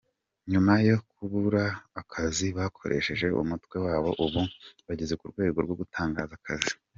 Nyuma yo kubura akazi bakoresheje umutwe wabo ubu bageze ku rwego rwo gutanga akazi.